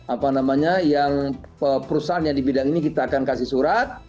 apa namanya yang perusahaan yang di bidang ini kita akan kasih surat